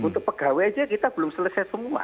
untuk pegawai aja kita belum selesai semua